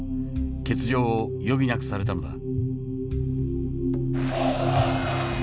欠場を余儀なくされたのだ。